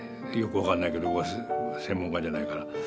よく分かんないけど専門家じゃないから。